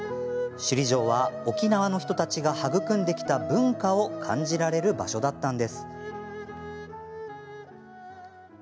首里城は、沖縄の人たちが育んできた文化を感じられる場所だったんです。